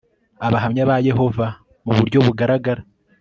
abahamya ba yehova mu buryo bugaragara